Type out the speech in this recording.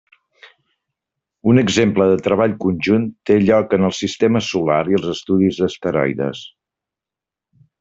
Un exemple de treball conjunt té lloc en el sistema solar i els estudis d'asteroides.